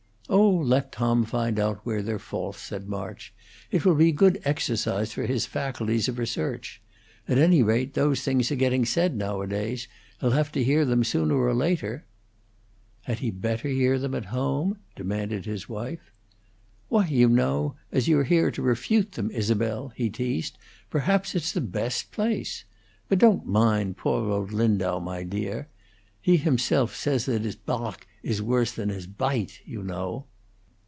"Oh, let Tom find out where they're false," said March. "It will be good exercise for his faculties of research. At any rate, those things are getting said nowadays; he'll have to hear them sooner or later." "Had he better hear them at home?" demanded his wife. "Why, you know, as you're here to refute them, Isabel," he teased, "perhaps it's the best place. But don't mind poor old Lindau, my dear. He says himself that his parg is worse than his pidte, you know."